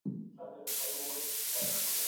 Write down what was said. حاکمان نه غواړي چي خپل واک له لاسه ورکړي.